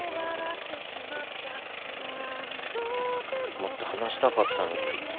もっと話したかったのに。